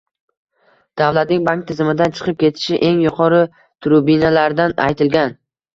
Davlatning bank tizimidan chiqib ketishi eng yuqori tribunalardan aytilgan